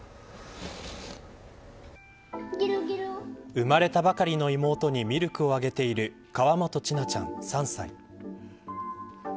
生まれたばかりの妹にミルクをあげている河本千奈ちゃん、３歳。